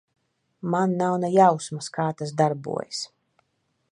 Man nav ne jausmas, kā tas darbojas.